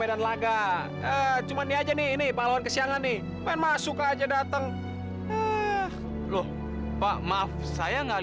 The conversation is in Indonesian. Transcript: sampai jumpa di video selanjutnya